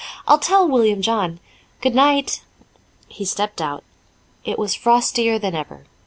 I'll tell William John. Goodnight." He stepped out. It was frostier than ever.